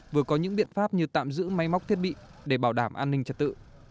vừa có những biện pháp như tạm giữ máy móc thiết bị để bảo đảm an ninh trật tự